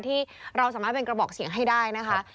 ที่เราสามารถเป็นกระบอกเสียงให้ได้นะคะ